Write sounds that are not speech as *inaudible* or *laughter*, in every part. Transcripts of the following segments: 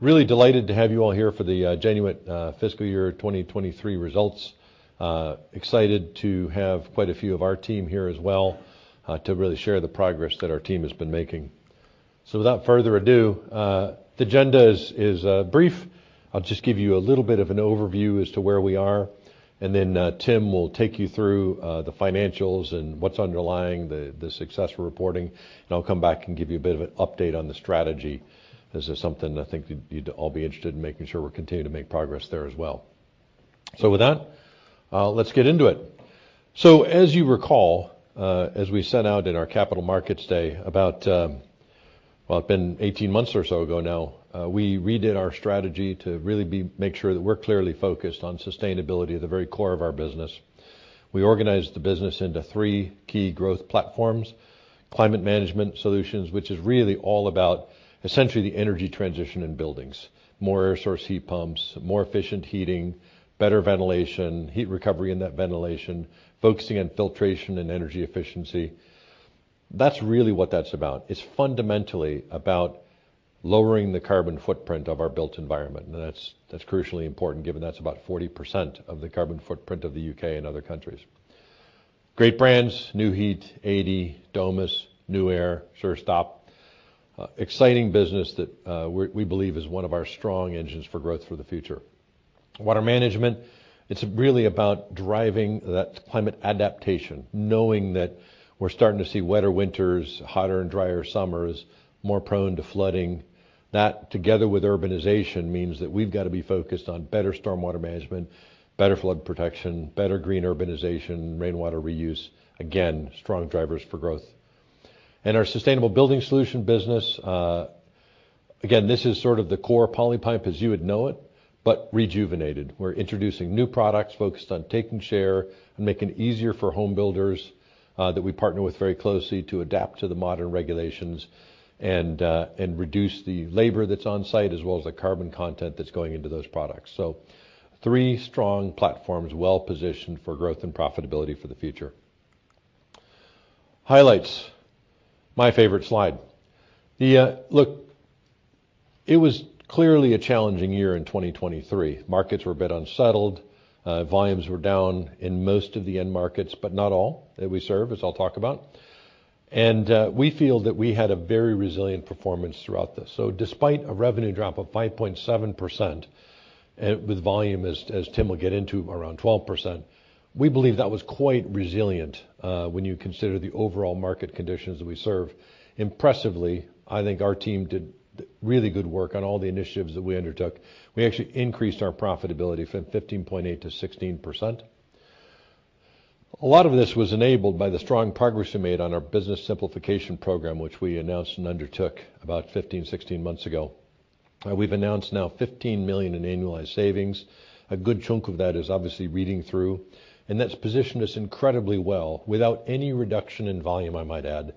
Really delighted to have you all here for the Genuit fiscal year 2023 results. Excited to have quite a few of our team here as well to really share the progress that our team has been making. Without further ado, the agenda is brief. I'll just give you a little bit of an overview as to where we are, and then Tim will take you through the financials and what's underlying the successful reporting, and I'll come back and give you a bit of an update on the strategy. This is something I think you'd all be interested in, making sure we continue to make progress there as well. So with that, let's get into it. As you recall, as we set out in our Capital Markets Day about well, it's been 18 months or so ago now, we redid our strategy to really make sure that we're clearly focused on sustainability at the very core of our business. We organized the business into three key growth platforms: climate management solutions, which is really all about essentially the energy transition in buildings, more air source heat pumps, more efficient heating, better ventilation, heat recovery in that ventilation, focusing on filtration and energy efficiency. That's really what that's about. It's fundamentally about lowering the carbon footprint of our built environment, and that's crucially important given that's about 40% of the carbon footprint of the U.K. and other countries. Great Brands: Nu-Heat, Adey, Domus, Nuaire, Surestop. Exciting business that we believe is one of our strong engines for growth for the future. Water management, it's really about driving that climate adaptation, knowing that we're starting to see wetter winters, hotter and drier summers, more prone to flooding. That, together with urbanization, means that we've got to be focused on better stormwater management, better flood protection, better green urbanization, rainwater reuse, again, strong drivers for growth. Our sustainable building solution business, again, this is sort of the core Polypipe as you would know it, but rejuvenated. We're introducing new products focused on taking share and making it easier for home builders that we partner with very closely to adapt to the modern regulations and reduce the labor that's on-site as well as the carbon content that's going into those products. Three strong platforms well positioned for growth and profitability for the future. Highlights. My favorite slide. Look, it was clearly a challenging year in 2023. Markets were a bit unsettled. Volumes were down in most of the end markets, but not all that we serve, as I'll talk about. We feel that we had a very resilient performance throughout this. Despite a revenue drop of 5.7%, with volume, as Tim will get into, around 12%, we believe that was quite resilient when you consider the overall market conditions that we serve. Impressively, I think our team did really good work on all the initiatives that we undertook. We actually increased our profitability from 15.8% to 16%. A lot of this was enabled by the strong progress we made on our business simplification program, which we announced and undertook about 15, 16 months ago. We've announced now 15 million in annualized savings. A good chunk of that is obviously reading through, and that's positioned us incredibly well without any reduction in volume, I might add,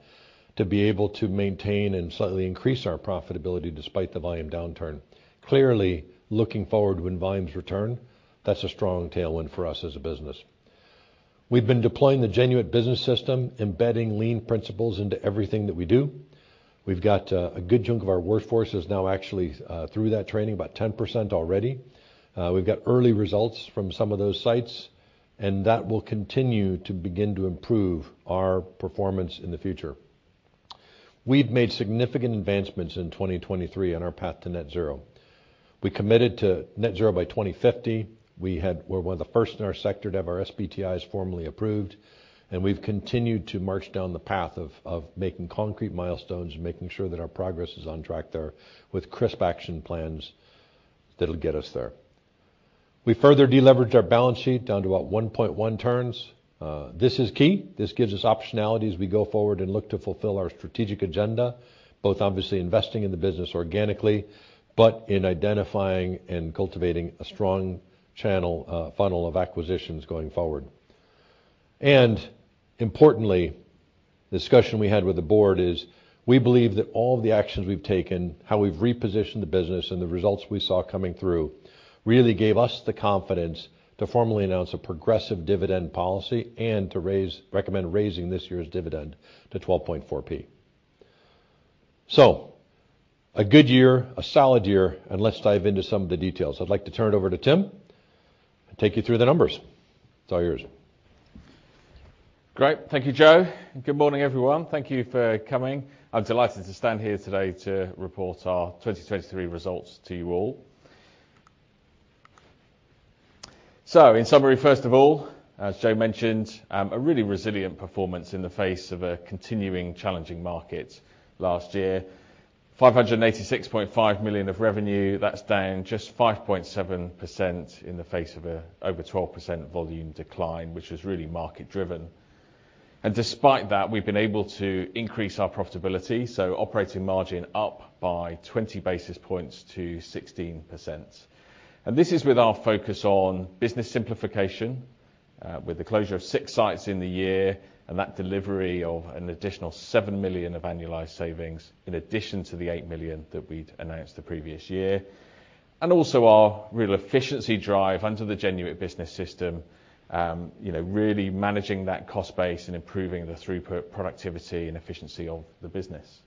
to be able to maintain and slightly increase our profitability despite the volume downturn. Clearly, looking forward when volumes return, that's a strong tailwind for us as a business. We've been deploying the Genuit Business System, embedding lean principles into everything that we do. We've got a good chunk of our workforce is now actually through that training, about 10% already. We've got early results from some of those sites, and that will continue to begin to improve our performance in the future. We've made significant advancements in 2023 on our path to net zero. We committed to net zero by 2050. We were one of the first in our sector to have our SBTs formally approved, and we've continued to march down the path of making concrete milestones and making sure that our progress is on track there with crisp action plans that'll get us there. We further deleveraged our balance sheet down to about 1.1 turns. This is key. This gives us optionality as we go forward and look to fulfill our strategic agenda, both obviously investing in the business organically, but in identifying and cultivating a strong channel funnel of acquisitions going forward. Importantly, the discussion we had with the board is we believe that all of the actions we've taken, how we've repositioned the business, and the results we saw coming through really gave us the confidence to formally announce a progressive dividend policy and to recommend raising this year's dividend to GBP 12.4p. A good year, a solid year, and let's dive into some of the details. I'd like to turn it over to Tim and take you through the numbers. It's all yours. Great. Thank you, Joe. Good morning, everyone. Thank you for coming. I'm delighted to stand here today to report our 2023 results to you all. In summary, first of all, as Joe mentioned, a really resilient performance in the face of a continuing challenging market last year. 586.5 million of revenue, that's down just 5.7% in the face of an over 12% volume decline, which was really market-driven. Despite that, we've been able to increase our profitability, so operating margin up by 20 basis points to 16%. This is with our focus on business simplification, with the closure of six sites in the year and that delivery of an additional 7 million of annualized savings in addition to the 8 million that we'd announced the previous year. Also our real efficiency drive under the Genuit Business System, really managing that cost base and improving the throughput, productivity, and efficiency of the business.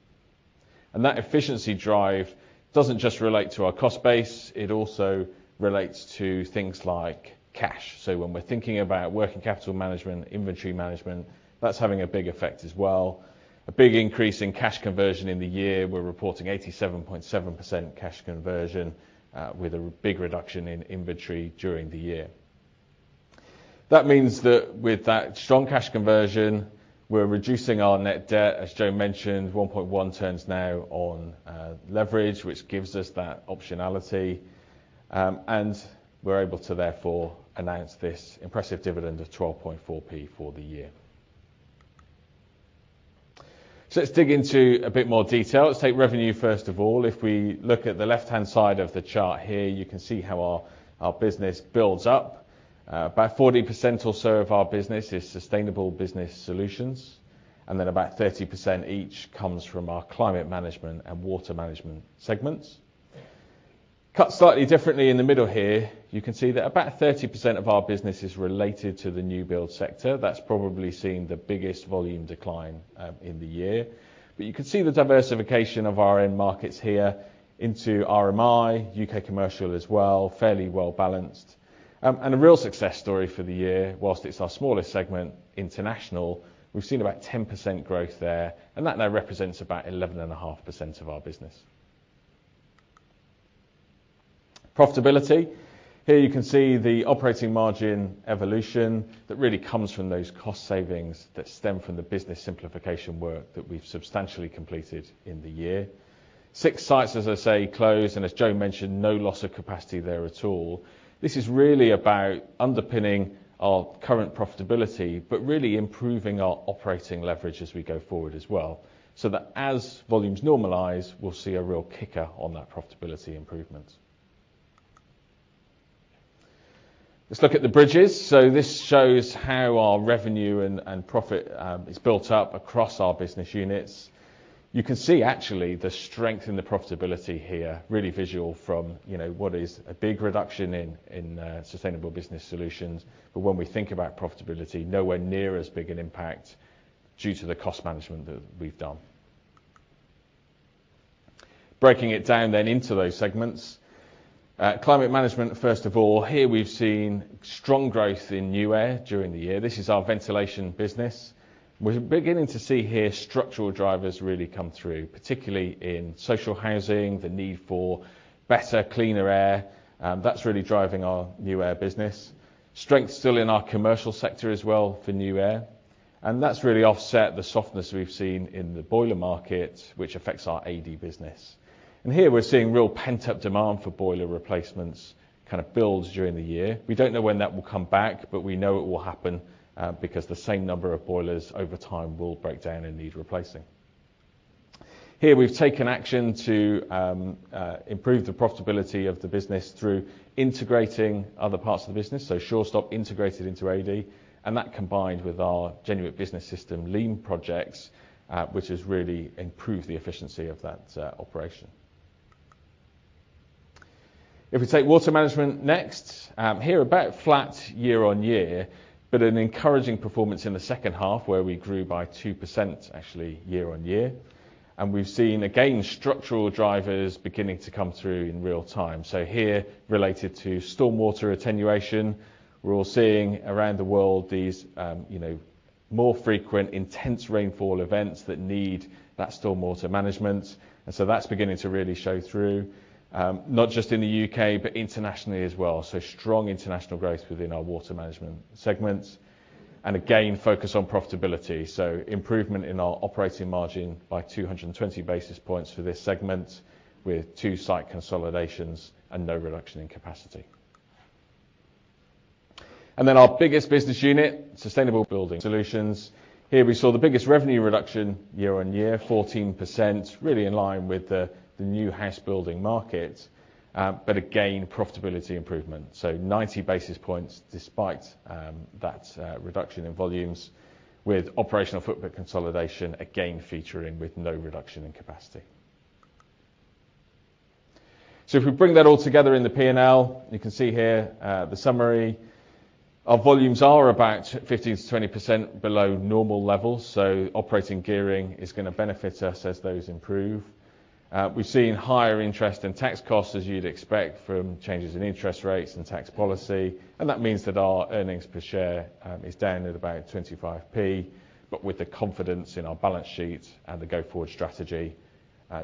That efficiency drive doesn't just relate to our cost base, it also relates to things like cash. When we're thinking about working capital management, inventory management, that's having a big effect as well. A big increase in cash conversion in the year. We're reporting 87.7% cash conversion with a big reduction in inventory during the year. That means that with that strong cash conversion, we're reducing our net debt, as Joe mentioned, 1.1 turns now on leverage, which gives us that optionality. We're able to therefore announce this impressive dividend of GBP 12.4p for the year. Let's dig into a bit more detail. Let's take revenue first of all. If we look at the left-hand side of the chart here, you can see how our business builds up. About 40% or so of our business is sustainable business solutions, and then about 30% each comes from our climate management and water management segments. Cut slightly differently in the middle here, you can see that about 30% of our business is related to the new build sector. That's probably seen the biggest volume decline in the year. You can see the diversification of our end markets here into RMI, U.K. commercial as well, fairly well balanced. A real success story for the year, while it's our smallest segment, international, we've seen about 10% growth there, and that now represents about 11.5% of our business. Profitability. Here you can see the operating margin evolution that really comes from those cost savings that stem from the business simplification work that we've substantially completed in the year. Six sites, as I say, closed, and as Joe mentioned, no loss of capacity there at all. This is really about underpinning our current profitability, but really improving our operating leverage as we go forward as well. So that as volumes normalize, we'll see a real kicker on that profitability improvement. Let's look at the bridges. So this shows how our revenue and profit is built up across our business units. You can see actually the strength in the profitability here, really visual from what is a big reduction in sustainable business solutions. But when we think about profitability, nowhere near as big an impact due to the cost management that we've done. Breaking it down then into those segments. Climate management, first of all. Here we've seen strong growth in Nuaire during the year. This is our ventilation business. We're beginning to see here structural drivers really come through, particularly in social housing, the need for better, cleaner air. That's really driving our Nuaire business. Strength still in our commercial sector as well for Nuaire. And that's really offset the softness we've seen in the boiler market, which affects our Adey business. And here we're seeing real pent-up demand for boiler replacements kind of builds during the year. We don't know when that will come back, but we know it will happen because the same number of boilers over time will break down and need replacing. Here we've taken action to improve the profitability of the business through integrating other parts of the business, so Surestop integrated into Adey, and that combined with our Genuit Business System, Lean Projects, which has really improved the efficiency of that operation. If we take water management next, here about flat year-on-year, but an encouraging performance in the second half where we grew by 2% actually year-on-year. We've seen again structural drivers beginning to come through in real time. So here related to stormwater attenuation, we're all seeing around the world these more frequent, intense rainfall events that need that stormwater management. That's beginning to really show through, not just in the U.K., but internationally as well. So strong international growth within our water management segments. Again, focus on profitability. Improvement in our operating margin by 220 basis points for this segment with two site consolidations and no reduction in capacity. Then our biggest business unit, sustainable building solutions. Here we saw the biggest revenue reduction year-on-year, 14%, really in line with the new house building market. But again, profitability improvement. So 90 basis points despite that reduction in volumes, with operational footprint consolidation again featuring with no reduction in capacity. If we bring that all together in the P&L, you can see here the summary. Our volumes are about 15%-20% below normal levels, so operating gearing is going to benefit us as those improve. We've seen higher interest and tax costs as you'd expect from changes in interest rates and tax policy, and that means that our earnings per share is down at about GBP 25p, but with the confidence in our balance sheet and the go-forward strategy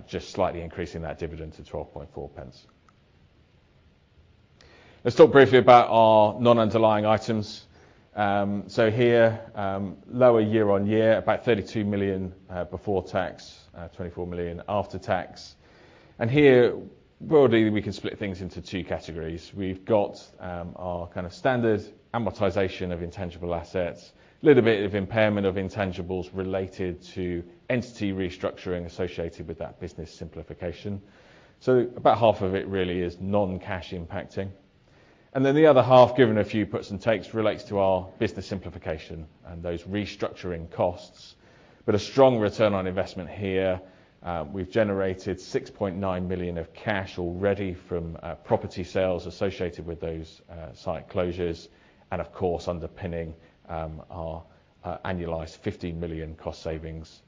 just slightly increasing that dividend to GBP 12.4p. Let's talk briefly about our non-underlying items. Here, lower year-over-year, about 32 million before tax, 24 million after tax. And here broadly we can split things into two categories. We've got our kind of standard amortization of intangible assets, a little bit of impairment of intangibles related to entity restructuring associated with that business simplification. About half of it really is non-cash impacting. And then the other half, given a few puts and takes, relates to our business simplification and those restructuring costs. But a strong return on investment here. We've generated 6.9 million of cash already from property sales associated with those site closures, and of course underpinning our annualized 15 million cost savings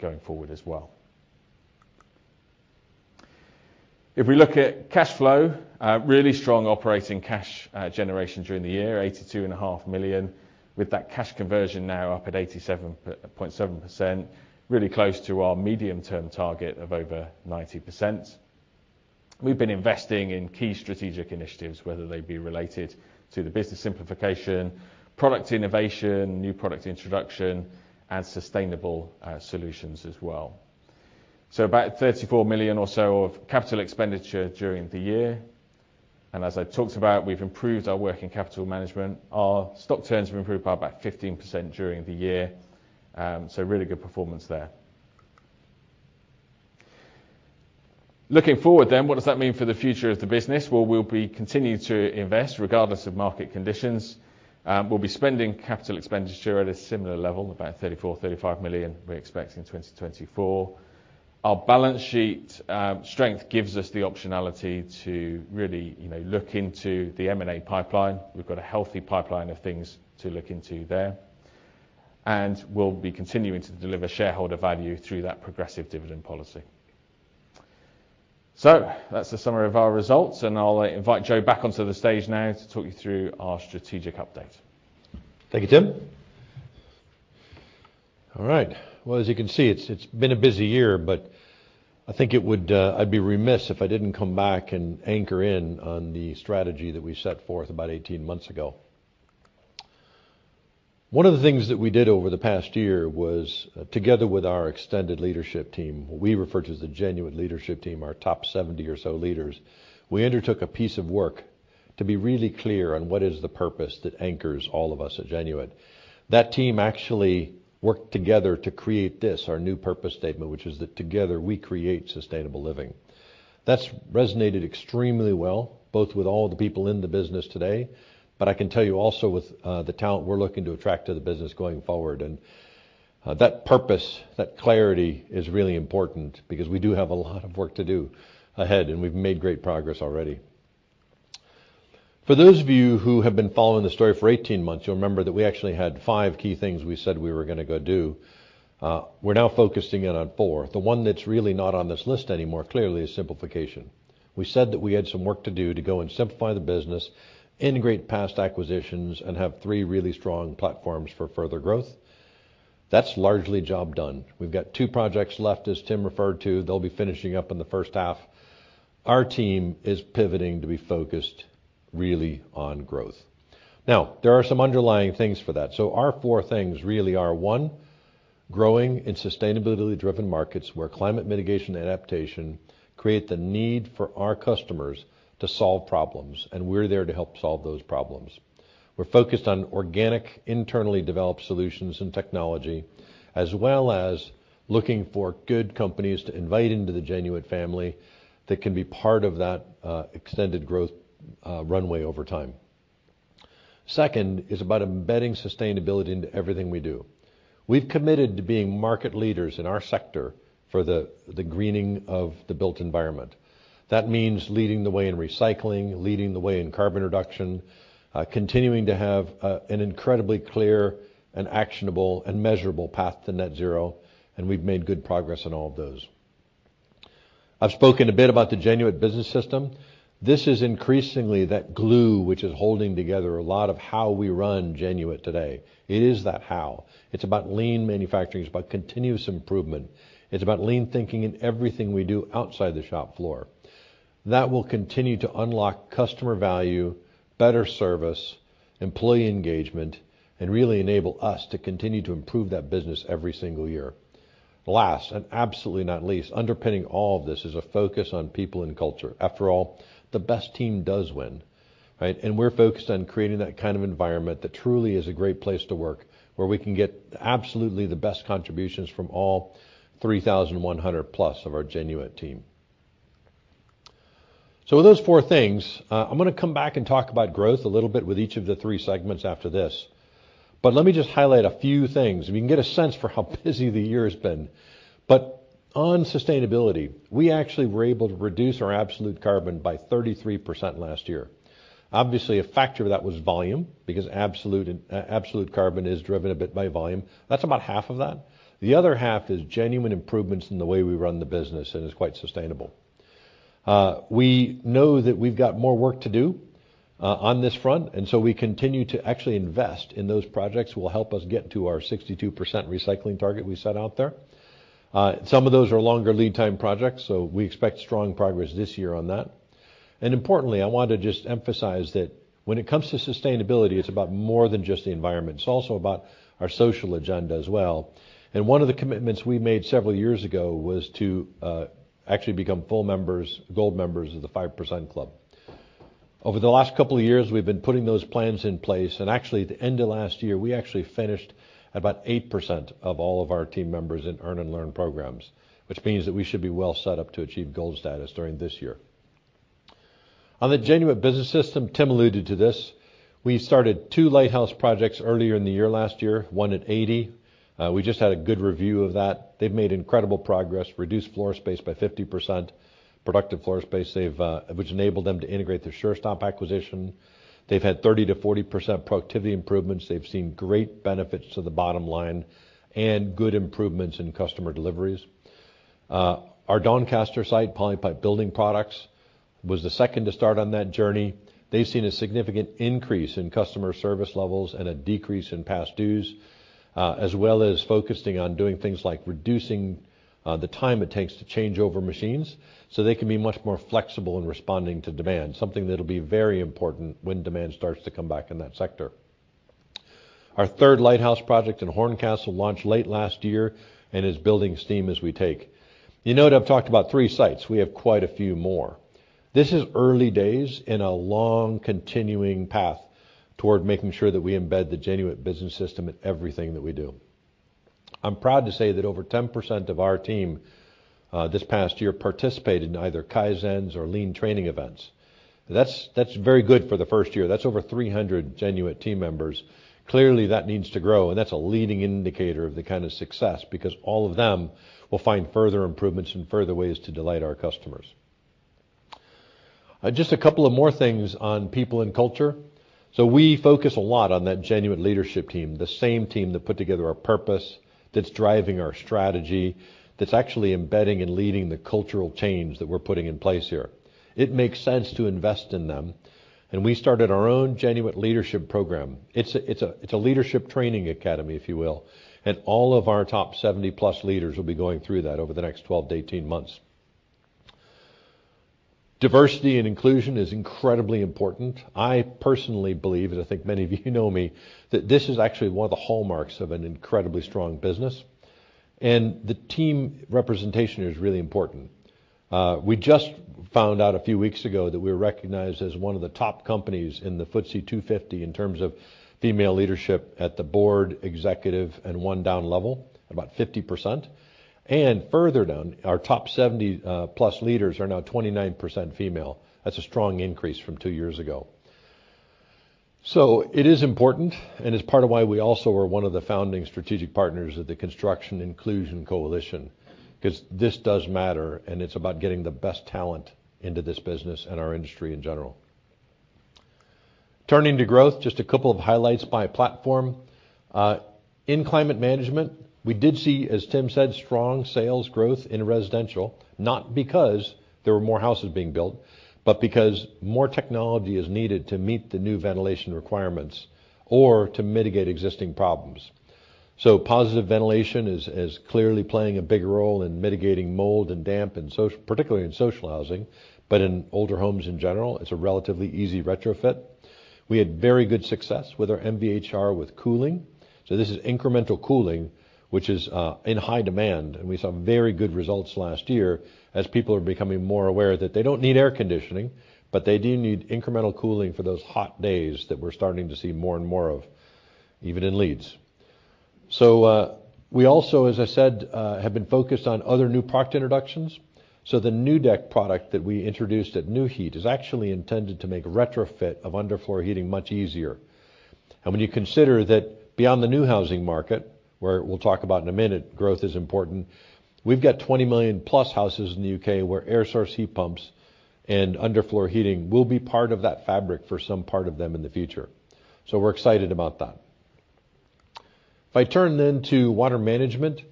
going forward as well. If we look at cash flow, really strong operating cash generation during the year, 82.5 million, with that cash conversion now up at 87.7%, really close to our medium-term target of over 90%. We've been investing in key strategic initiatives, whether they be related to the business simplification, product innovation, new product introduction, and sustainable solutions as well. About 34 million or so of capital expenditure during the year. As I talked about, we've improved our working capital management. Our stock turns have improved by about 15% during the year, so really good performance there. Looking forward then, what does that mean for the future of the business? Well, we'll be continuing to invest regardless of market conditions. We'll be spending capital expenditure at a similar level, about 34 million-35 million we're expecting 2024. Our balance sheet strength gives us the optionality to really look into the M&A pipeline. We've got a healthy pipeline of things to look into there. We'll be continuing to deliver shareholder value through that progressive dividend policy. That's the summary of our results, and I'll invite Joe back onto the stage now to talk you through our strategic update. Thank you, Tim. All right. Well, as you can see, it's been a busy year, but I think I’d be remiss if I didn't come back and anchor in on the strategy that we set forth about 18 months ago. One of the things that we did over the past year was, together with our extended leadership team, what we refer to as the Genuit leadership team, our top 70 or so leaders, we undertook a piece of work to be really clear on what is the purpose that anchors all of us at Genuit. That team actually worked together to create this, our new purpose statement, which is that together we create sustainable living. That's resonated extremely well, both with all the people in the business today, but I can tell you also with the talent we're looking to attract to the business going forward. That purpose, that clarity is really important because we do have a lot of work to do ahead, and we've made great progress already. For those of you who have been following the story for 18 months, you'll remember that we actually had five key things we said we were going to go do. We're now focusing in on four. The one that's really not on this list anymore clearly is simplification. We said that we had some work to do to go and simplify the business, integrate past acquisitions, and have three really strong platforms for further growth. That's largely job done. We've got two projects left, as Tim referred to. They'll be finishing up in the first half. Our team is pivoting to be focused really on growth. Now, there are some underlying things for that. Our four things really are, one, growing in sustainability-driven markets where climate mitigation and adaptation create the need for our customers to solve problems, and we're there to help solve those problems. We're focused on organic, internally developed solutions and technology, as well as looking for good companies to invite into the Genuit family that can be part of that extended growth runway over time. Second is about embedding sustainability into everything we do. We've committed to being market leaders in our sector for the greening of the built environment. That means leading the way in recycling, leading the way in carbon reduction, continuing to have an incredibly clear and actionable and measurable path to net zero, and we've made good progress on all of those. I've spoken a bit about the Genuit Business System. This is increasingly that glue which is holding together a lot of how we run Genuit today. It is that how. It's about lean manufacturing. It's about continuous improvement. It's about lean thinking in everything we do outside the shop floor. That will continue to unlock customer value, better service, employee engagement, and really enable us to continue to improve that business every single year. Last, and absolutely not least, underpinning all of this is a focus on people and culture. After all, the best team does win. We're focused on creating that kind of environment that truly is a great place to work where we can get absolutely the best contributions from all 3,100+ of our Genuit team. So with those four things, I'm going to come back and talk about growth a little bit with each of the three segments after this. Let me just highlight a few things. You can get a sense for how busy the year has been. On sustainability, we actually were able to reduce our absolute carbon by 33% last year. Obviously, a factor of that was volume because absolute carbon is driven a bit by volume. That's about half of that. The other half is genuine improvements in the way we run the business and is quite sustainable. We know that we've got more work to do on this front, and so we continue to actually invest in those projects that will help us get to our 62% recycling target we set out there. Some of those are longer lead time projects, so we expect strong progress this year on that. And importantly, I want to just emphasize that when it comes to sustainability, it's about more than just the environment. It's also about our social agenda as well. One of the commitments we made several years ago was to actually become full members, gold members of the 5% Club. Over the last couple of years, we've been putting those plans in place, and actually at the end of last year, we actually finished at about 8% of all of our team members in earn and learn programs, which means that we should be well set up to achieve gold status during this year. On the Genuit Business System, Tim alluded to this. We started two lighthouse projects earlier in the year last year, one at Adey. We just had a good review of that. They've made incredible progress, reduced floor space by 50%, productive floor space which enabled them to integrate their Surestop acquisition. They've had 30%-40% productivity improvements. They've seen great benefits to the bottom line and good improvements in customer deliveries. Our Doncaster site, Polypipe Building Products, was the second to start on that journey. They've seen a significant increase in customer service levels and a decrease in past dues, as well as focusing on doing things like reducing the time it takes to change over machines so they can be much more flexible in responding to demand, something that'll be very important when demand starts to come back in that sector. Our third lighthouse project in Horncastle launched late last year and is building steam as we take. You know that I've talked about three sites. We have quite a few more. This is early days in a long continuing path toward making sure that we embed the Genuit Business System in everything that we do. I'm proud to say that over 10% of our team this past year participated in either Kaizens or Lean training events. That's very good for the first year. That's over 300 Genuit team members. Clearly, that needs to grow, and that's a leading indicator of the kind of success because all of them will find further improvements and further ways to delight our customers. Just a couple of more things on people and culture. We focus a lot on that Genuit leadership team, the same team that put together our purpose, that's driving our strategy, that's actually embedding and leading the cultural change that we're putting in place here. It makes sense to invest in them, and we started our own Genuit leadership program. It's a leadership training academy, if you will, and all of our top 70+ leaders will be going through that over the next 12-18 months. Diversity and inclusion is incredibly important. I personally believe, and I think many of you know me, that this is actually one of the hallmarks of an incredibly strong business, and the team representation is really important. We just found out a few weeks ago that we were recognized as one of the top companies in the FTSE 250 in terms of female leadership at the board, executive, and one down level, about 50%. And further down, our top 70+ leaders are now 29% female. That's a strong increase from two years ago. It is important and is part of why we also were one of the founding strategic partners of the Construction Inclusion Coalition because this does matter, and it's about getting the best talent into this business and our industry in general. Turning to growth, just a couple of highlights by platform. In climate management, we did see, as Tim said, strong sales growth in residential, not because there were more houses being built, but because more technology is needed to meet the new ventilation requirements or to mitigate existing problems. So positive ventilation is clearly playing a bigger role in mitigating mold and damp, particularly in social housing, but in older homes in general, it's a relatively easy retrofit. We had very good success with our MVHR with cooling. This is incremental cooling, which is in high demand, and we saw very good results last year as people are becoming more aware that they don't need air conditioning, but they do need incremental cooling for those hot days that we're starting to see more and more of, even in Leeds. So we also, as I said, have been focused on other new product introductions. So the Nu-Deck product that we introduced at Nu-Heat is actually intended to make a retrofit of underfloor heating much easier. And when you consider that beyond the new housing market, where we'll talk about in a minute, growth is important, we've got 20 million+ houses in the U.K. where air source heat pumps and underfloor heating will be part of that fabric for some part of them in the future. So we're excited about that. If I turn then to water management,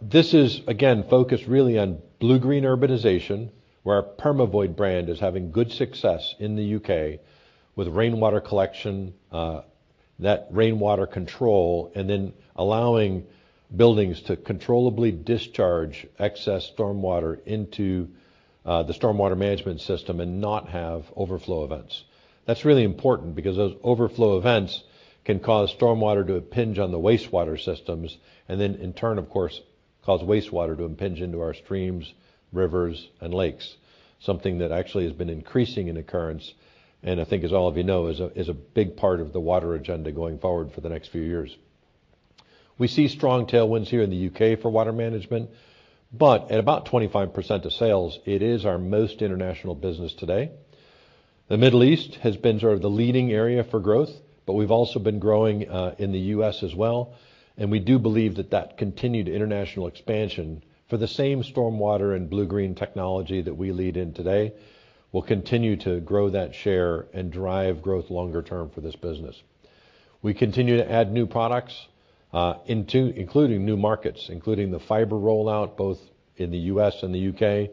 this is, again, focused really on blue-green urbanization, where our Permavoid brand is having good success in the UK with rainwater collection, that rainwater control, and then allowing buildings to controllably discharge excess stormwater into the stormwater management system and not have overflow events. That's really important because those overflow events can cause stormwater to impinge on the wastewater systems and then, in turn, of course, cause wastewater to impinge into our streams, rivers, and lakes, something that actually has been increasing in occurrence and I think, as all of you know, is a big part of the water agenda going forward for the next few years. We see strong tailwinds here in the U.K. for water management, but at about 25% of sales, it is our most international business today. The Middle East has been sort of the leading area for growth, but we've also been growing in the U.S. as well, and we do believe that that continued international expansion for the same stormwater and blue-green technology that we lead in today will continue to grow that share and drive growth longer term for this business. We continue to add new products, including new markets, including the fiber rollout both in the U.S. and the U.K.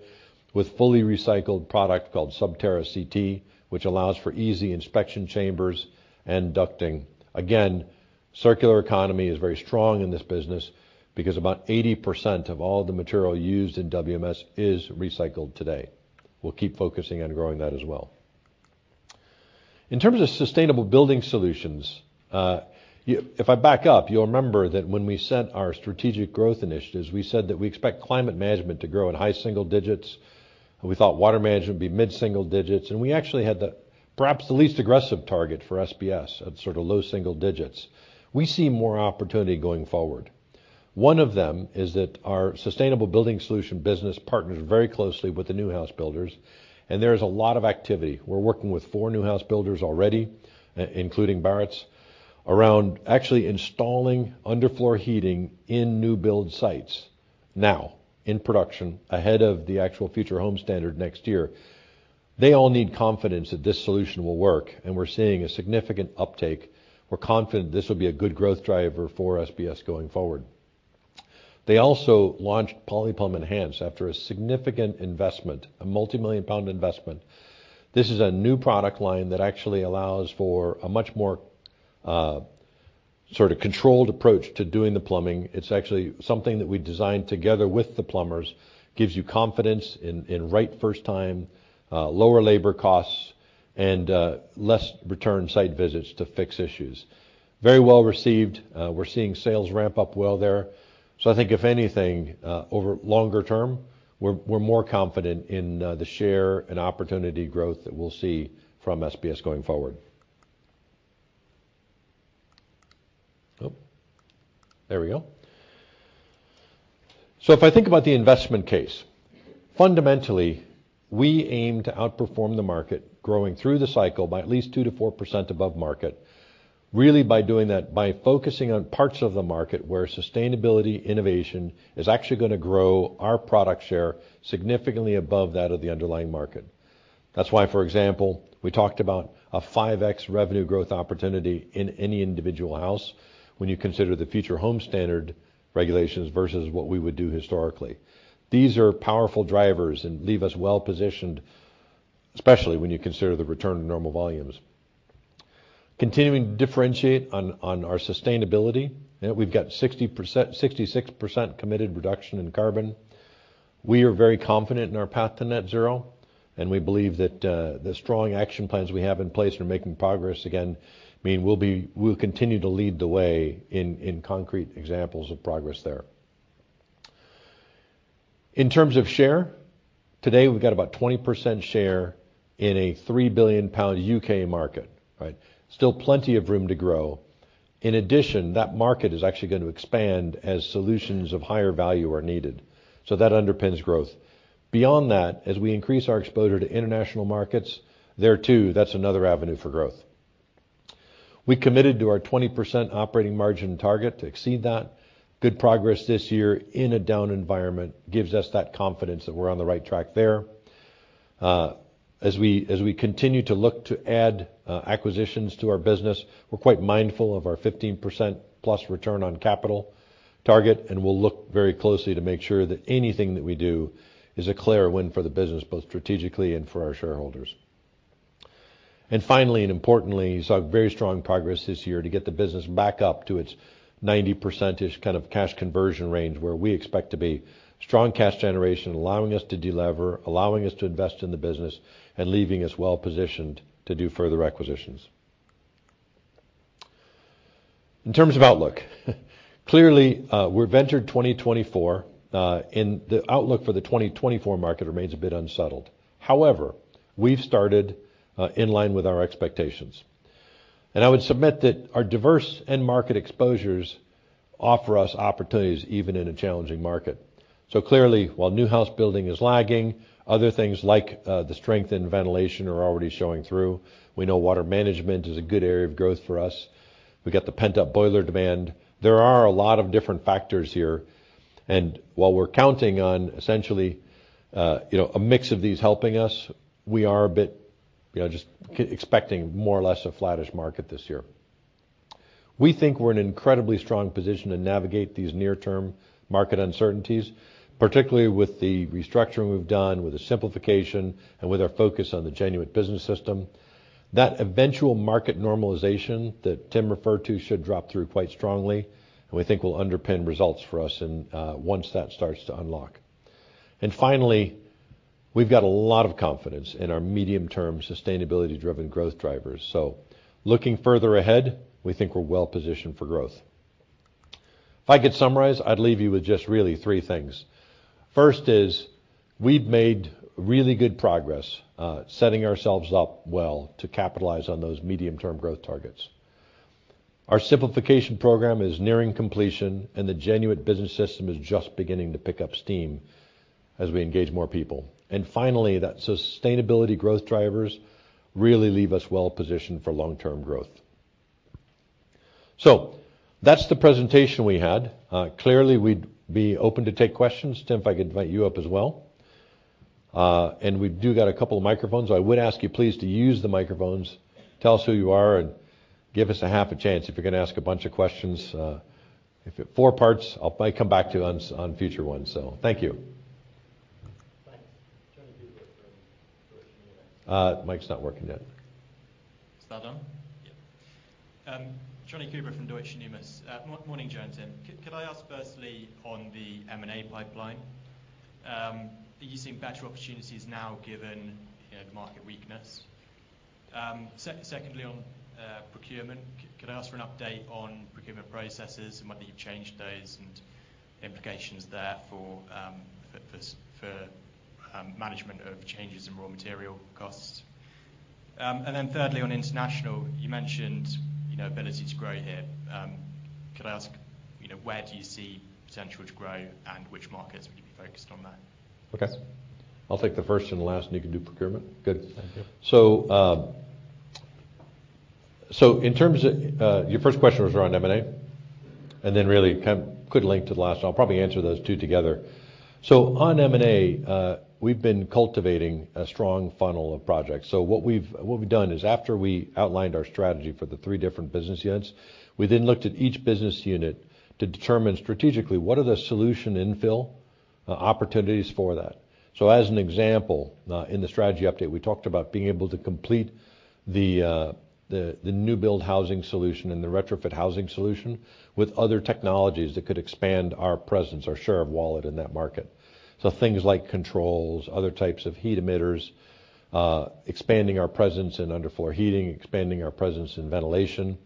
with fully recycled product called Subterra CT, which allows for easy inspection chambers and ducting. Again, circular economy is very strong in this business because about 80% of all of the material used in WMS is recycled today. We'll keep focusing on growing that as well. In terms of sustainable building solutions, if I back up, you'll remember that when we set our strategic growth initiatives, we said that we expect climate management to grow in high single digits. We thought water management would be mid-single digits, and we actually had perhaps the least aggressive target for SBS at sort of low single digits. We see more opportunity going forward. One of them is that our sustainable building solution business partners very closely with the new housebuilders, and there is a lot of activity. We're working with four new housebuilders already, including Barratt, around actually installing underfloor heating in new build sites now in production ahead of the actual Future Homes Standard next year. They all need confidence that this solution will work, and we're seeing a significant uptake. We're confident this will be a good growth driver for SBS going forward. They also launched PolyPlumb Enhanced after a significant investment, a multi-million pound investment. This is a new product line that actually allows for a much more sort of controlled approach to doing the plumbing. It's actually something that we designed together with the plumbers, gives you confidence in right first time, lower labor costs, and less return site visits to fix issues. Very well received. We're seeing sales ramp up well there. So I think if anything, over longer term, we're more confident in the share and opportunity growth that we'll see from SBS going forward. Oh, there we go. If I think about the investment case, fundamentally, we aim to outperform the market growing through the cycle by at least 2%-4% above market, really by doing that by focusing on parts of the market where sustainability, innovation is actually going to grow our product share significantly above that of the underlying market. That's why, for example, we talked about a 5x revenue growth opportunity in any individual house when you consider the Future Homes Standard regulations versus what we would do historically. These are powerful drivers and leave us well positioned, especially when you consider the return to normal volumes. Continuing to differentiate on our sustainability, we've got 66% committed reduction in carbon. We are very confident in our path to net zero, and we believe that the strong action plans we have in place and are making progress, again, mean we'll continue to lead the way in concrete examples of progress there. In terms of share, today we've got about 20% share in a 3 billion pound U.K. market. Still plenty of room to grow. In addition, that market is actually going to expand as solutions of higher value are needed. So that underpins growth. Beyond that, as we increase our exposure to international markets, there too, that's another avenue for growth. We committed to our 20% operating margin target to exceed that. Good progress this year in a down environment gives us that confidence that we're on the right track there. As we continue to look to add acquisitions to our business, we're quite mindful of our 15%+ return on capital target, and we'll look very closely to make sure that anything that we do is a clear win for the business, both strategically and for our shareholders. Finally and importantly, you saw very strong progress this year to get the business back up to its 90%-ish kind of cash conversion range where we expect to be, strong cash generation allowing us to deliver, allowing us to invest in the business, and leaving us well positioned to do further acquisitions. In terms of outlook, clearly, we've entered 2024, and the outlook for the 2024 market remains a bit unsettled. However, we've started in line with our expectations. I would submit that our diverse end market exposures offer us opportunities even in a challenging market. Clearly, while new house building is lagging, other things like the strength in ventilation are already showing through. We know water management is a good area of growth for us. We've got the pent-up boiler demand. There are a lot of different factors here, and while we're counting on essentially a mix of these helping us, we are a bit just expecting more or less a flat-ish market this year. We think we're in an incredibly strong position to navigate these near-term market uncertainties, particularly with the restructuring we've done, with the simplification, and with our focus on the Genuit Business System. That eventual market normalization that Tim referred to should drop through quite strongly, and we think will underpin results for us once that starts to unlock. And finally, we've got a lot of confidence in our medium-term sustainability-driven growth drivers. Looking further ahead, we think we're well positioned for growth. If I could summarize, I'd leave you with just really three things. First is we've made really good progress setting ourselves up well to capitalize on those medium-term growth targets. Our simplification program is nearing completion, and the Genuit Business System is just beginning to pick up steam as we engage more people. And finally, that sustainability growth drivers really leave us well positioned for long-term growth. So that's the presentation we had. Clearly, we'd be open to take questions. Tim, if I could invite you up as well. We do got a couple of microphones, so I would ask you please to use the microphones, tell us who you are, and give us a half a chance if you're going to ask a bunch of questions. If it's four parts, I'll probably come back to on future ones. So thank you. Thanks. Jonny Coubrough from Deutsche Numis. Mic's not working yet. Is that on? Yep. Jonny Coubrough from Deutsche Numis. Morning, Joe, Tim. Could I ask firstly on the M&A pipeline? Are you seeing better opportunities now given the market weakness? Secondly, on procurement, could I ask for an update on procurement processes and whether you've changed those and implications there for management of changes in raw material costs? And then thirdly, on international, you mentioned ability to grow here. Could I ask where do you see potential to grow, and which markets would you be focused on there? Okay. I'll take the first and the last, and you can do procurement. Good. Thank you. In terms of your first question was around M&A, and then really kind of could link to the last. I'll probably answer those two together. So on M&A, we've been cultivating a strong funnel of projects. So what we've done is after we outlined our strategy for the three different business units, we then looked at each business unit to determine strategically what are the solution infill opportunities for that. So as an example, in the strategy update, we talked about being able to complete the new build housing solution and the retrofit housing solution with other technologies that could expand our presence, our share of wallet in that market. So things like controls, other types of heat emitters, expanding our presence in underfloor heating, expanding our presence in ventilation.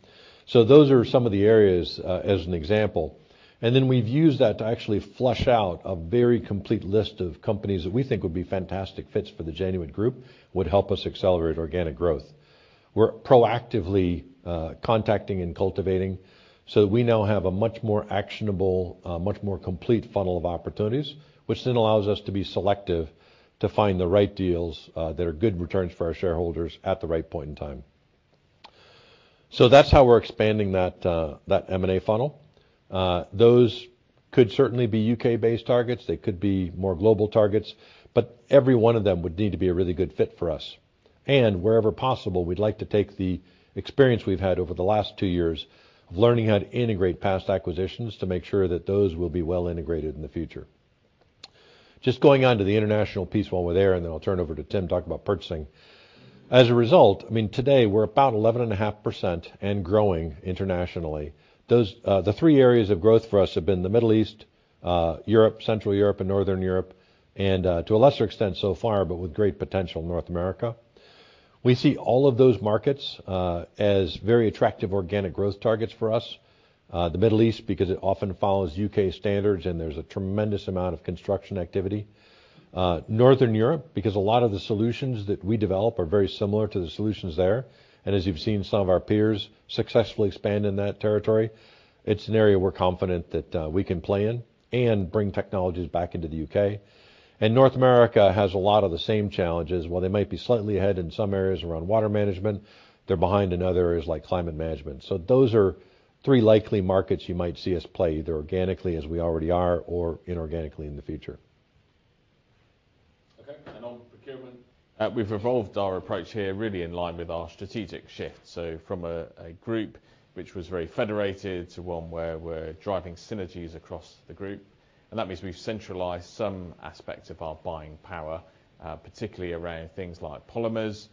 So those are some of the areas as an example. Then we've used that to actually flesh out a very complete list of companies that we think would be fantastic fits for the Genuit Group, would help us accelerate organic growth. We're proactively contacting and cultivating so that we now have a much more actionable, much more complete funnel of opportunities, which then allows us to be selective to find the right deals that are good returns for our shareholders at the right point in time. That's how we're expanding that M&A funnel. Those could certainly be UK-based targets. They could be more global targets, but every one of them would need to be a really good fit for us. And wherever possible, we'd like to take the experience we've had over the last two years of learning how to integrate past acquisitions to make sure that those will be well integrated in the future. Just going on to the international piece while we're there, and then I'll turn over to Tim to talk about purchasing. As a result, I mean, today, we're about 11.5% and growing internationally. The three areas of growth for us have been the Middle East, Europe, Central Europe, and Northern Europe, and to a lesser extent so far, but with great potential, North America. We see all of those markets as very attractive organic growth targets for us. The Middle East because it often follows U.K. standards, and there's a tremendous amount of construction activity. Northern Europe because a lot of the solutions that we develop are very similar to the solutions there. And as you've seen some of our peers successfully expand in that territory, it's an area we're confident that we can play in and bring technologies back into the U.K. North America has a lot of the same challenges. While they might be slightly ahead in some areas around water management, they're behind in other areas like climate management. Those are three likely markets you might see us play either organically as we already are or inorganically in the future. Okay. On procurement? We've evolved our approach here really in line with our strategic shift. From a group which was very federated to one where we're driving synergies across the group. That means we've centralized some aspects of our buying power, particularly around things like polymers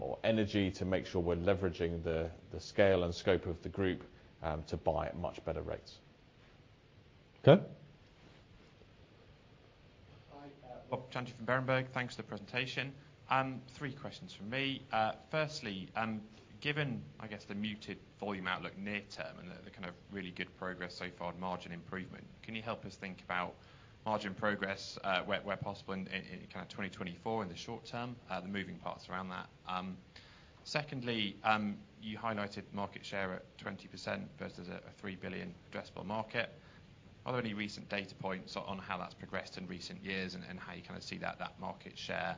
or energy to make sure we're leveraging the scale and scope of the group to buy at much better rates. Okay. Robert Chantry from Berenberg. Thanks for the presentation. Three questions from me. Firstly, given, I guess, the muted volume outlook near-term and the kind of really good progress so far and margin improvement, can you help us think about margin progress where possible in kind of 2024 in the short term, the moving parts around that? Secondly, you highlighted market share at 20% versus a 3 billion addressable market. Are there any recent data points on how that's progressed in recent years and how you kind of see that market share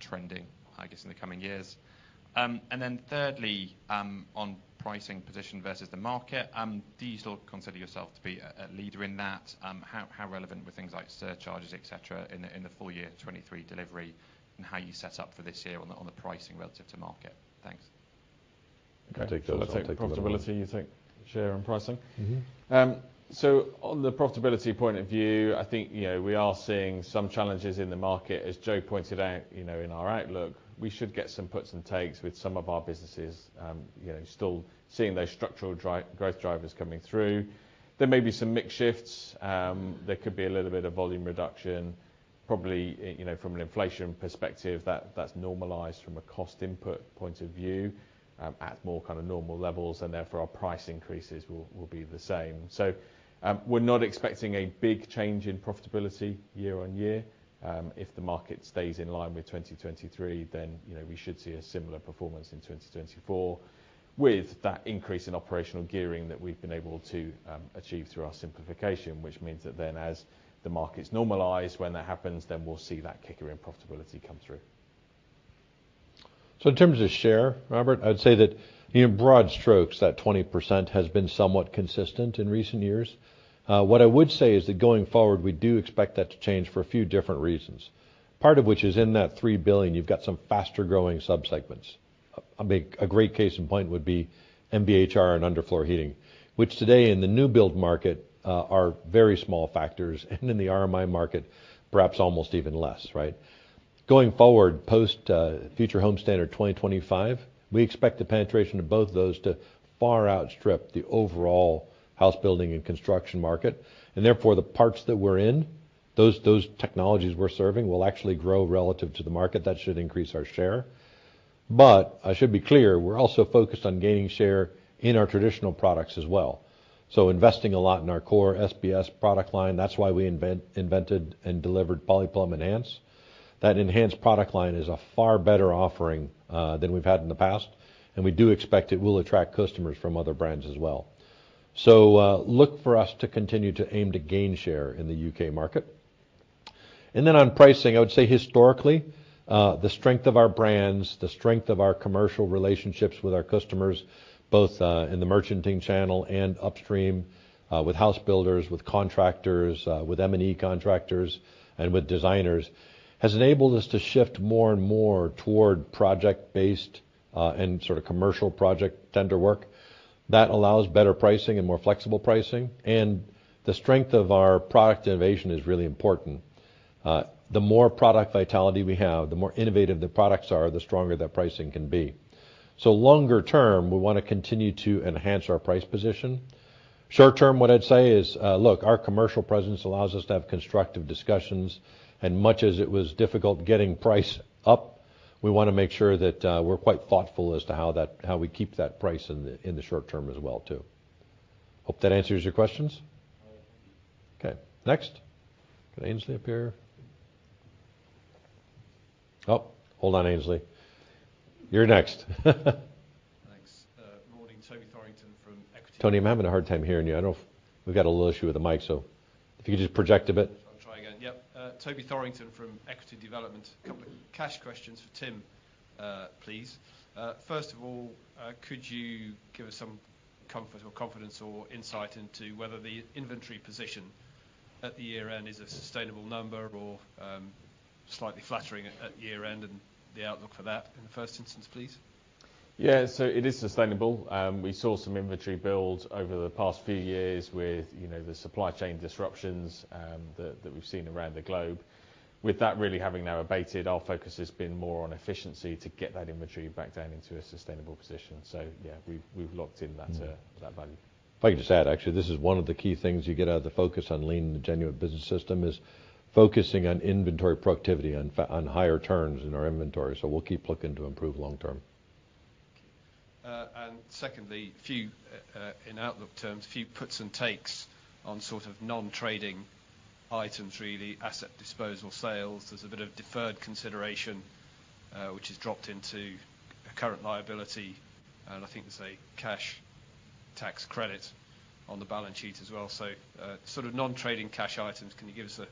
trending, I guess, in the coming years? And then thirdly, on pricing position versus the market, do you still consider yourself to be a leader in that? How relevant were things like surcharges, etc., in the full year 2023 delivery and how you set up for this year on the pricing relative to market? Thanks. Okay. *crosstalk* Profitability, you think, share and pricing? On the profitability point of view, I think we are seeing some challenges in the market. As Joe pointed out in our outlook, we should get some puts and takes with some of our businesses, still seeing those structural growth drivers coming through. There may be some mixed shifts. There could be a little bit of volume reduction. Probably from an inflation perspective, that's normalized from a cost input point of view at more kind of normal levels, and therefore our price increases will be the same. We're not expecting a big change in profitability year-over-year. If the market stays in line with 2023, then we should see a similar performance in 2024 with that increase in operational gearing that we've been able to achieve through our simplification, which means that then as the market's normalized, when that happens, then we'll see that kicker in profitability come through. In terms of share, Robert, I'd say that in broad strokes, that 20% has been somewhat consistent in recent years. What I would say is that going forward, we do expect that to change for a few different reasons, part of which is in that 3 billion, you've got some faster-growing subsegments. I mean, a great case in point would be MVHR and underfloor heating, which today in the new build market are very small factors, and in the RMI market, perhaps almost even less, right? Going forward, post-Future Homes Standard 2025, we expect the penetration of both those to far outstrip the overall house building and construction market. Therefore, the parts that we're in, those technologies we're serving will actually grow relative to the market. That should increase our share. But I should be clear, we're also focused on gaining share in our traditional products as well. Investing a lot in our core SBS product line, that's why we invented and delivered PolyPlumb Enhanced. That enhanced product line is a far better offering than we've had in the past, and we do expect it will attract customers from other brands as well. So look for us to continue to aim to gain share in the U.K. market. And then on pricing, I would say historically, the strength of our brands, the strength of our commercial relationships with our customers, both in the merchanting channel and upstream with housebuilders, with contractors, with M&A contractors, and with designers, has enabled us to shift more and more toward project-based and sort of commercial project tender work. That allows better pricing and more flexible pricing. And the strength of our product innovation is really important. The more product vitality we have, the more innovative the products are, the stronger that pricing can be. So longer term, we want to continue to enhance our price position. Short term, what I'd say is, look, our commercial presence allows us to have constructive discussions. Much as it was difficult getting price up, we want to make sure that we're quite thoughtful as to how we keep that price in the short term as well too. Hope that answers your questions. Okay. Next? Could Aynsley appear? Oh, hold on, Aynsley. You're next. Thanks. Morning, Toby Thorrington from Equity. Toby, I'm having a hard time hearing you. I don't know if we've got a little issue with the mic, so if you could just project a bit. I'll try again. Yep. Toby Thorrington from Equity Development. A couple of cash questions for Tim, please. First of all, could you give us some comfort or confidence or insight into whether the inventory position at the year-end is a sustainable number or slightly flattering at year-end and the outlook for that in the first instance, please? Yeah. So it is sustainable. We saw some inventory builds over the past few years with the supply chain disruptions that we've seen around the globe. With that really having now abated, our focus has been more on efficiency to get that inventory back down into a sustainable position. So yeah, we've locked in that value. Like you just said, actually, this is one of the key things you get out of the focus on leaning the Genuit Business System is focusing on inventory productivity, on higher turns in our inventory. So we'll keep looking to improve long term. Secondly, in outlook terms, a few puts and takes on sort of non-trading items, really, asset disposal sales. There's a bit of deferred consideration, which is dropped into current liability. I think there's a cash tax credit on the balance sheet as well. Sort of non-trading cash items, can you give us a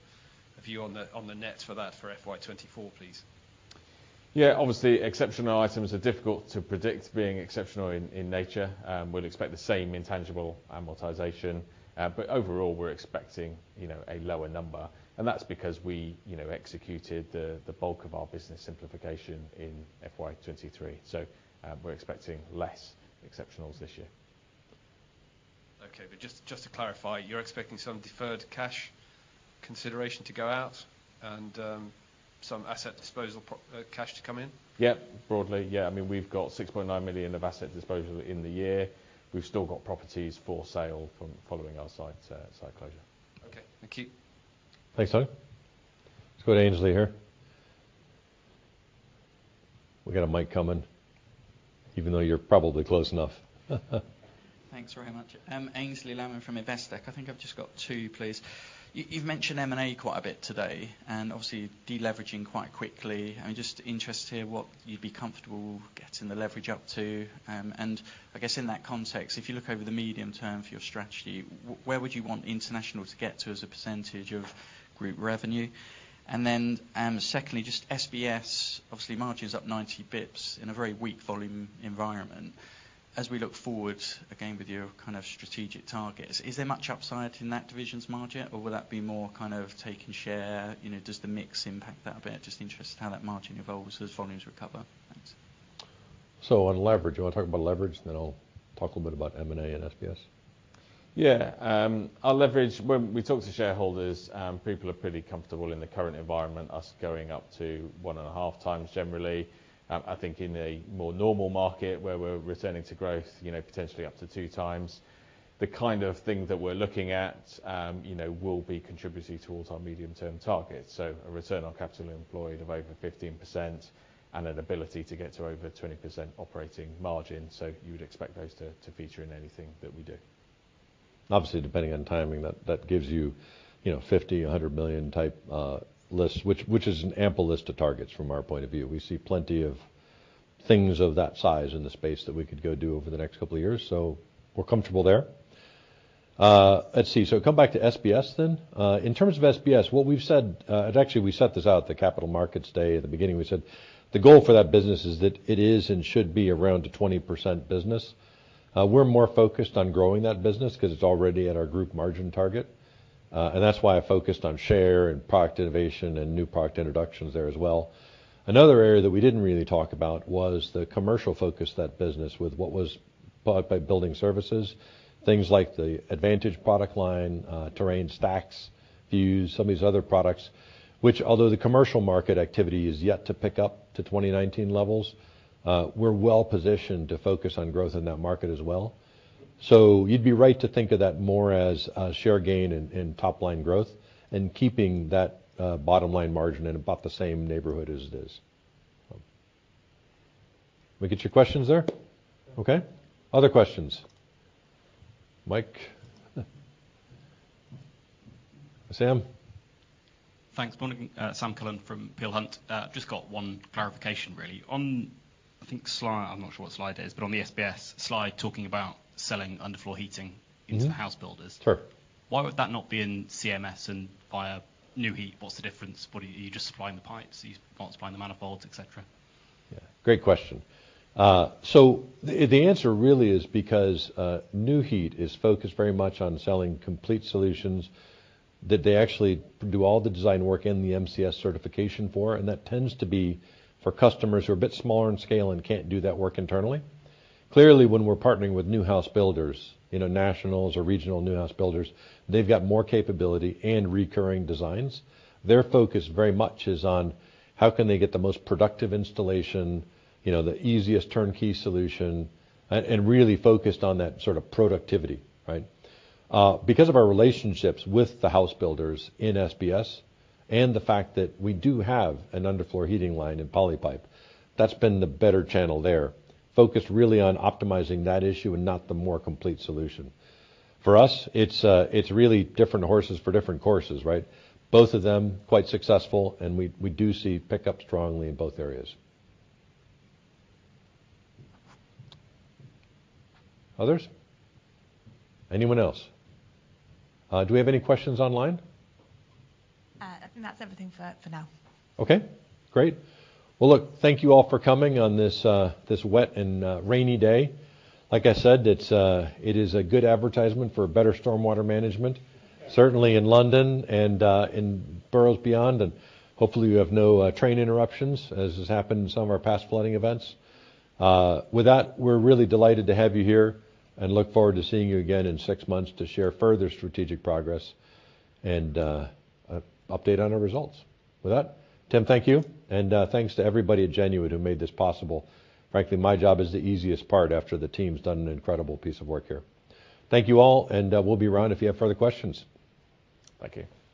view on the net for that for FY 2024, please? Yeah. Obviously, exceptional items are difficult to predict being exceptional in nature. We'll expect the same intangible amortization. But overall, we're expecting a lower number. That's because we executed the bulk of our business simplification in FY 2023. So we're expecting less exceptionals this year. Okay. But just to clarify, you're expecting some deferred cash consideration to go out and some asset disposal cash to come in? Yep, broadly. Yeah. I mean, we've got 6.9 million of asset disposal in the year. We've still got properties for sale following our site closure. Okay. Thank you. Thanks, Toby. Let's go to Aynsley here. We've got a mic coming, even though you're probably close enough. Thanks very much. Aynsley Lammin from Investec. I think I've just got two, please. You've mentioned M&A quite a bit today, and obviously, de-leveraging quite quickly. I mean, just interested to hear what you'd be comfortable getting the leverage up to. And I guess in that context, if you look over the medium term for your strategy, where would you want international to get to as a percentage of group revenue? And then secondly, just SBS, obviously, margin's up 90 basis points in a very weak volume environment. As we look forward again with your kind of strategic targets, is there much upside in that division's margin, or will that be more kind of taking share? Does the mix impact that a bit? Just interested how that margin evolves as volumes recover. Thanks. On leverage, you want to talk about leverage, and then I'll talk a little bit about M&A and GBS? Yeah. Our leverage, when we talk to shareholders, people are pretty comfortable in the current environment, us going up to 1.5x generally. I think in a more normal market where we're returning to growth, potentially up to 2x, the kind of thing that we're looking at will be contributing towards our medium-term targets. So a return on capital employed of over 15% and an ability to get to over 20% operating margin. So you would expect those to feature in anything that we do. Obviously, depending on timing, that gives you 50 million-100 million type list, which is an ample list of targets from our point of view. We see plenty of things of that size in the space that we could go do over the next couple of years. So we're comfortable there. Let's see. So come back to SBS then. In terms of SBS, what we've said, actually, we set this out the Capital Markets Day at the beginning. We said the goal for that business is that it is and should be around a 20% business. We're more focused on growing that business because it's already at our group margin target. That's why I focused on share and product innovation and new product introductions there as well. Another area that we didn't really talk about was the commercial focus of that business with what was bought by building services, things like the Advantage product line, Terrain stack systems, some of these other products, which although the commercial market activity is yet to pick up to 2019 levels, we're well positioned to focus on growth in that market as well. So you'd be right to think of that more as share gain and top-line growth and keeping that bottom-line margin in about the same neighborhood as it is. Did we get your questions there? Okay. Other questions? Mike? Sam? Thanks. Morning, Sam Cullen from Peel Hunt. Just got one clarification, really. On, I think, slide I'm not sure what slide it is, but on the SBS slide talking about selling underfloor heating into the housebuilders. Why would that not be in CMS and via Nu-Heat? What's the difference? Are you just supplying the pipes? Are you not supplying the manifolds, etc.? Yeah. Great question. So the answer really is because Nu-Heat is focused very much on selling complete solutions that they actually do all the design work in the MCS certification for. That tends to be for customers who are a bit smaller in scale and can't do that work internally. Clearly, when we're partnering with new housebuilders, nationals or regional new housebuilders, they've got more capability and recurring designs. Their focus very much is on how can they get the most productive installation, the easiest turnkey solution, and really focused on that sort of productivity, right? Because of our relationships with the housebuilders in SBS and the fact that we do have an underfloor heating line and Polypipe, that's been the better channel there, focused really on optimizing that issue and not the more complete solution. For us, it's really different horses for different courses, right? Both of them quite successful, and we do see pickup strongly in both areas. Others? Anyone else? Do we have any questions online? I think that's everything for now. Okay. Great. Well, look, thank you all for coming on this wet and rainy day. Like I said, it is a good advertisement for better stormwater management, certainly in London and in boroughs beyond. And hopefully, you have no train interruptions as has happened in some of our past flooding events. With that, we're really delighted to have you here and look forward to seeing you again in six months to share further strategic progress and update on our results. With that, Tim, thank you. And thanks to everybody at Genuit who made this possible. Frankly, my job is the easiest part after the team's done an incredible piece of work here. Thank you all, and we'll be around if you have further questions. Thank you.